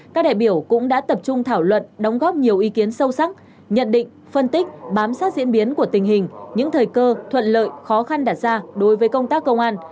các đại biểu cũng đã tập trung thảo luận đóng góp nhiều ý kiến sâu sắc nhận định phân tích bám sát diễn biến của tình hình những thời cơ thuận lợi khó khăn đạt ra đối với công tác công an